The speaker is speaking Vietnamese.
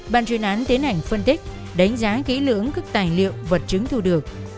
ban chuyên án tiến hành phân tích đánh giá kỹ lưỡng các tài liệu vật chứng thu được